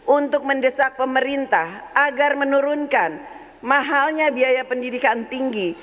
untuk mendesak pemerintah agar menurunkan mahalnya biaya pendidikan tinggi